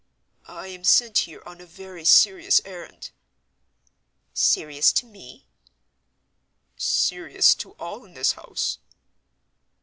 "I am sent here on a very serious errand." "Serious to me?" "Serious to all in this house."